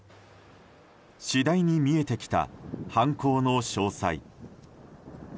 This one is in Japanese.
次第に見えてきた犯行の詳細。